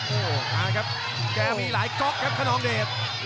โอ้โหมาครับแกมีหลายก๊อกครับขนองเดช